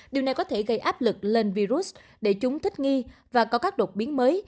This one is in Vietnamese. điều này có thể gây áp lực lên virus để chúng thích nghi và có các đột biến mới